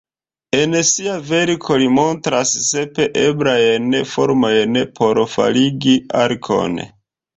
En sia verko li montras sep eblajn formojn por faligi arkon.